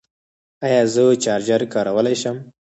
ایا زه چارجر کارولی شم؟